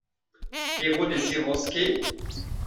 Quiero deciros que...